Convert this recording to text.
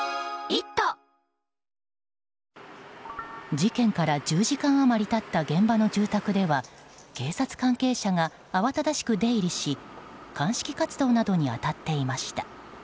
事件から１０時間余り経った現場の住宅では警察関係者が慌ただしく出入りし鑑識活動などに当たっていました。